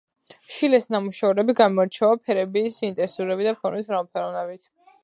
შილეს ნამუშევრები გამოირჩევა ფერების ინტენსიურობით და ფორმების მრავალფეროვნებით.